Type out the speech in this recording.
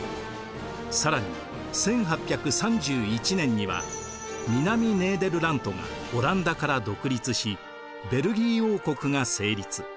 更に１８３１年には南ネーデルラントがオランダから独立しベルギー王国が成立。